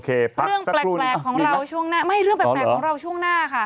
เอ้าเรื่องแปลกแปลกของเราช่วงหน้าค่ะ